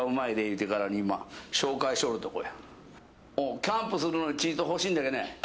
キャンプするのにちいと欲しいんじゃけどね。